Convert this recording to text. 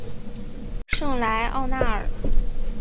圣莱奥纳尔。